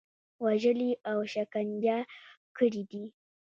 وژلي او شکنجه کړي دي.